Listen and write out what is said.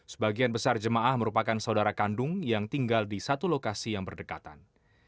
sebagian besar jemaah merupakan saudara kandung yang tinggal di satu lokasi yang berdekatan